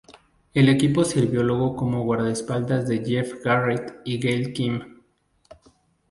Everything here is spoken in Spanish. El equipo sirvió luego como guardaespaldas de Jeff Jarrett y Gail Kim.